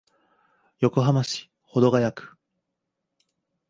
横浜市保土ケ谷区